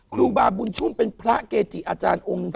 ครูบาบุญชุมเป็นพระเกจิอาจารย์อ่องนี้